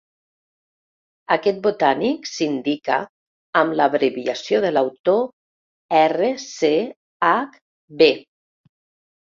Aquest botànic s'indica amb l'abreviació de l'autor Rchb.